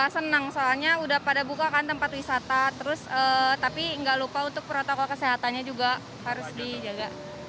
senang soalnya udah pada buka kan tempat wisata terus tapi nggak lupa untuk protokol kesehatannya juga harus dijaga